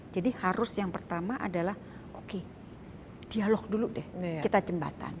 jadi harus yang pertama adalah oke dialog dulu deh kita jembatan